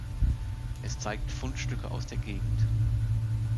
Es zeigt Fundstücke aus der Gegend.